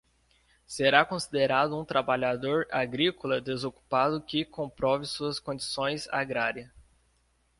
Será considerado um trabalhador agrícola desocupado que comprove sua condição agrária.